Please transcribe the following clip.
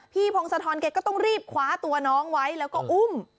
พงศธรแกก็ต้องรีบคว้าตัวน้องไว้แล้วก็อุ้ม